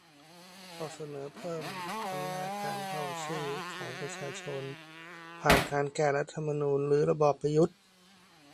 ข้อเสนอเพิ่มอำนาจการ "เข้าชื่อ" ของประชาชน ผ่านการ แก้รัฐธรรมนูญ รื้อระบอบประยุทธ์